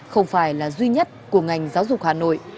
không phải là duy nhất của ngành giáo dục hà nội